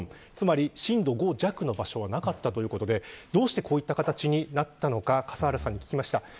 震度５弱の場所はなかったということでどうしてこのような形になったのか聞きました。